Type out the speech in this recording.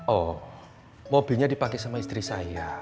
oh mobilnya dipakai sama istri saya